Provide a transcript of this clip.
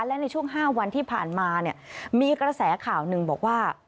และในช่วง๕วันที่ผ่านมาเนี่ยมีกระแสข่าวหนึ่งบอกว่า